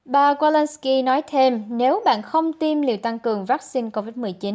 bà kolansky nói thêm nếu bạn không tiêm liều tăng cường vaccine covid một mươi chín